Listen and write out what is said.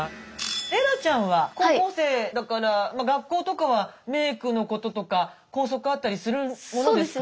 レイラちゃんは高校生だから学校とかはメークのこととか校則あったりするものですか？